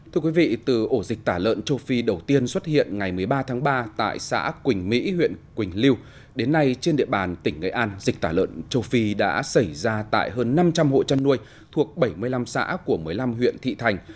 thưa quý vị từ ổ dịch tả lợn châu phi đầu tiên xuất hiện ngày một mươi ba tháng ba tại xã quỳnh mỹ huyện quỳnh lưu đến nay trên địa bàn tỉnh nghệ an dịch tả lợn châu phi đã xảy ra tại hơn năm trăm linh hộ chăn nuôi thuộc bảy mươi năm xã của một mươi năm huyện thị thành